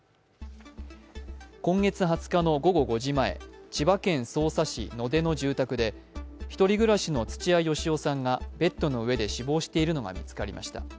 今月２０日の午後５時前、千葉県匝瑳市野手の住宅で１人暮らしの土屋好夫さんがベッドの上で死亡しているのが見つかりました。